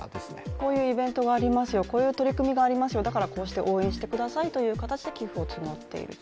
こういうイベントがありますよ、こういう取り組みがありますよだから応援してくださいという形で寄付を募っていると。